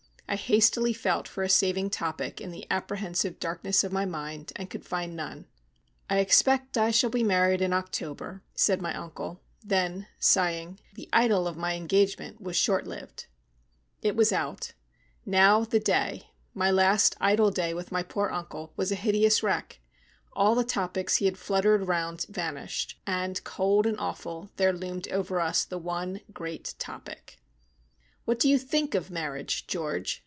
I hastily felt for a saving topic in the apprehensive darkness of my mind, and could find none. "I expect I shall be married in October," said my uncle. Then, sighing: "The idyll of my engagement was short lived." It was out. Now, the day my last idle day with my poor uncle was a hideous wreck. All the topics he had fluttered round vanished, and, cold and awful, there loomed over us the one great topic. "What do you think of marriage, George?"